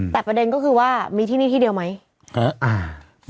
แต่ประเด็นก็คือว่ามีที่นี่ที่เดียวไหม